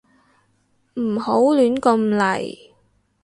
唔好亂咁嚟